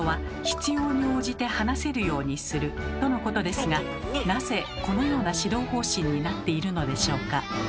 つまりとのことですがなぜこのような指導方針になっているのでしょうか？